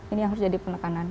ini yang harus jadi penekanan